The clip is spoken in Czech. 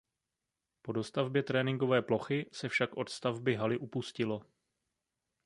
Po dostavbě tréninkové plochy se však od stavby haly upustilo.